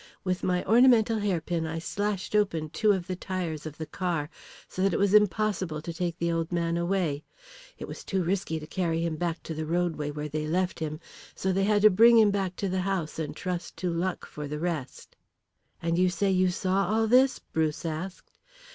With my ornamental hairpin I slashed open two of the tyres of the car, so that it was impossible to take the old man away. It was too risky to carry him back to the roadway where they left him, so they had to bring him back to the house and trust to luck for the rest." "And you say you saw all this?" Bruce asked.